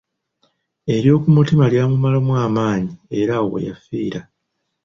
Ery’oku mutima lyamumalamu amaanyi era awo weyafiira.